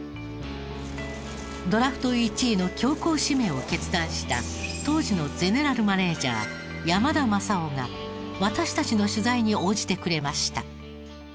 ドラフト１位の強行指名を決断した当時のゼネラルマネージャー山田正雄が私たちの取材に応じてくれました。